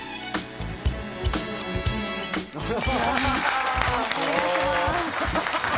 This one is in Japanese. よろしくお願いします。